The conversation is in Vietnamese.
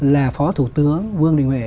là phó thủ tướng vương định huệ